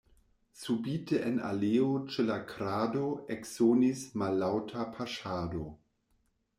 Subite en aleo ĉe la krado eksonis mallaŭta paŝado.